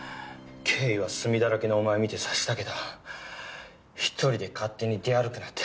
経緯は墨だらけのお前見て察したけど１人で勝手に出歩くなってあれほど。